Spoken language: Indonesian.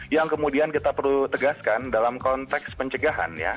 yang kemudian kita perlu tegaskan dalam konteks pencegahan ya